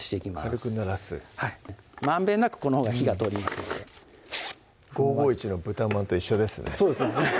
軽くぬらすまんべんなくこのほうが火が通りますので５５１の「豚まん」と一緒ですね